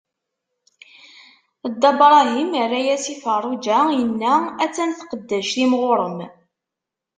Dda Bṛahim irra-as i Feṛṛuǧa, inna: a-tt-an tqeddact-im ɣur-m.